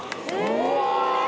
うわ！